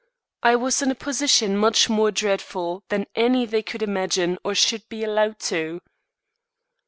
I was in a position much more dreadful than any they could imagine or should be allowed to.